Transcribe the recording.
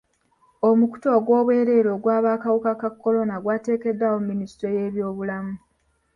Omukutu ogw'obwereere ogw'abakawuka ka kolona gwateekeddwawo Minisitule y'ebyobulamu.